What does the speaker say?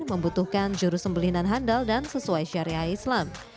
membutuhkan juru sembeli nanhandal dan sesuai syariah islam